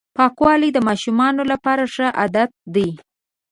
پاکوالی د ماشومانو لپاره ښه عادت دی.